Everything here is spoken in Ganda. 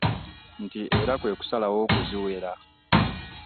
Nti era kwe kusalawo okuziwera.